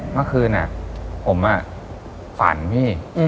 เมื่อคืนผมฝันพี่